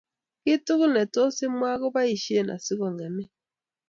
Kiiy tugul netos imwaa keboishen asigongemin